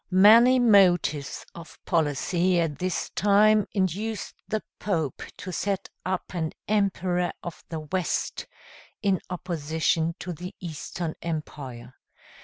Many motives of policy at this time induced the Pope to set up an emperor of the West in opposition to the Eastern Empire.